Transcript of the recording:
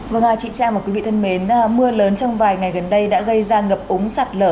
vâng chị trang và quý vị thân mến mưa lớn trong vài ngày gần đây đã gây ra ngập ống sạt lở